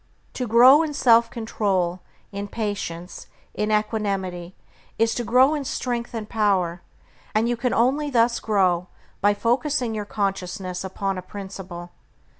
To grow in self control, in patience, in equanimity, is to grow in strength and power; and you can only thus grow by focusing your consciousness upon a principle.